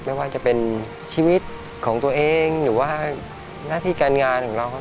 ไม่ว่าจะเป็นชีวิตของตัวเองหรือว่าหน้าที่การงานของเราครับ